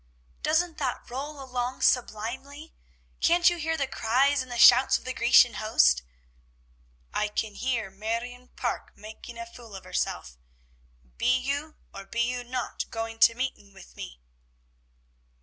'" "Doesn't that roll along sublimely? Can't you hear the cries and the shouts of the Grecian host?" "I can hear Marion Parke making a fool of herself. Be you, or be you not, goin' to meetin' with me?"